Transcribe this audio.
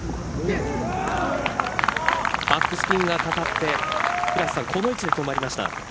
バックスピンがかかってこの位置で止まりました。